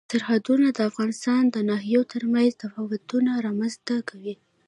سرحدونه د افغانستان د ناحیو ترمنځ تفاوتونه رامنځ ته کوي.